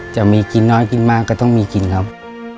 จะมีกินน้อยกินมากก็ต้องมีกินครับ